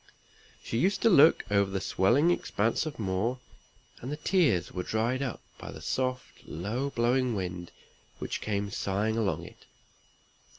She used to look over the swelling expanse of moor, and the tears were dried up by the soft low blowing wind which came sighing along it.